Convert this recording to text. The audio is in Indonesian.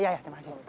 iya ya terima kasih